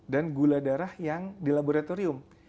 dan gula darah yang di laboratorium